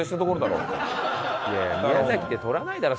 いやいや宮崎で撮らないだろ